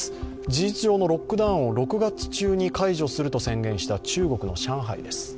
事実上のロックダウンを６月中に解除すると宣言した中国の上海です。